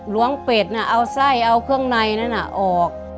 ล้วงเป็ดเอาไส้เอาเครื่องในนั้นออก